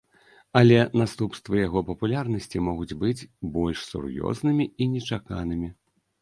Але наступствы яго папулярнасці могуць быць больш сур'ёзнымі і нечаканымі.